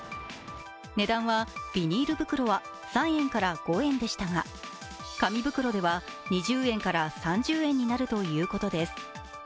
値段はビニール袋は３円から５円でしたが紙袋では２０円から３０円になるということです。